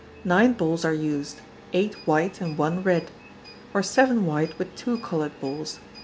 Nine balls are used, eight white and one red; or seven white with two coloured balls.